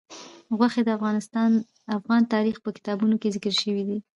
غوښې د افغان تاریخ په کتابونو کې ذکر شوی دي.